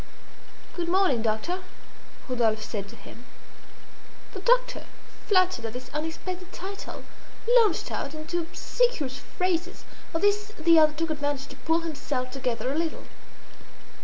"Good morning, doctor," Rodolphe said to him. The doctor, flattered at this unexpected title, launched out into obsequious phrases. Of this the other took advantage to pull himself together a little.